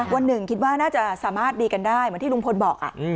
วันหนึ่งคิดว่าน่าจะสามารถดีกันได้เหมือนที่ลุงพลบอก